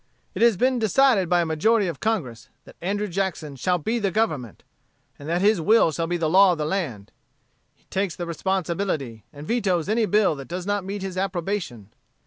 It has been decided by a majority of Congress, that Andrew Jackson shall be the Government, and that his will shall be the law of the land. He takes the responsibility, and vetoes any bill that does not meet his approbation.